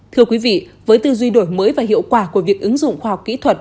thưa quý vị với tư duy đổi mới và hiệu quả của việc ứng dụng khoa học kỹ thuật